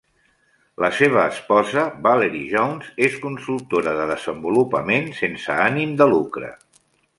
La seva esposa, Valerie Jones, és consultora de desenvolupament sense ànim de lucre.